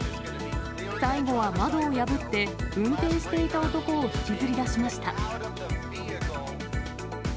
最後は窓を破って、運転していた男を引きずり出しました。